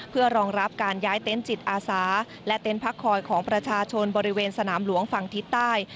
เพื่อรองรับการย้ายเต็นต์จิตอาสาและเต็นต์พักคอยของประชาชนบริเวณสนามหลวงฝั่งทิศใต้